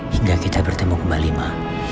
hingga kita bertemu kembali ma